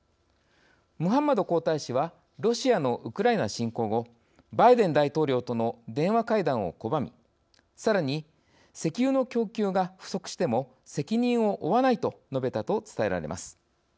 ムハンマド皇太子はロシアのウクライナ侵攻後バイデン大統領との電話会談を拒み、さらに「石油の供給が不足しても責任を負わない」と述べたと伝えられます。